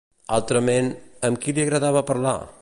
Altrament, amb qui li agradava parlar?